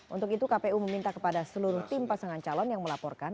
untuk itu kpu meminta kepada seluruh tim pasangan calon yang melaporkan